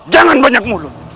jangan banyak mulut